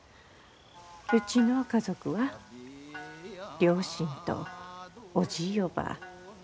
うちの家族は両親とおじぃおばぁ